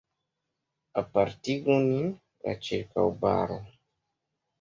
Apartigu nin la ĉirkaŭbaro.